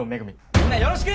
みんなよろしく！